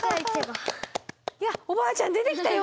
いやおばあちゃん出てきたよ